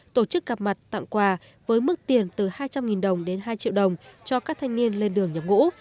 tổ chức gặp mặt tặng quà với mức tiền từ hai trăm linh đồng đến hai triệu đồng cho các thanh niên lên đường nhập ngũ